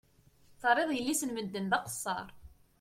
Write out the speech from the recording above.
Terriḍ yelli-s n medden d aqessar.